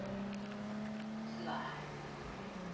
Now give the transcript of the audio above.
拿撒勒人耶稣是基督教的中心人物。